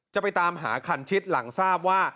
จะไปตามหาคันชิดหลังทราบว่า